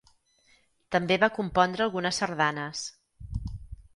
També va compondre algunes sardanes.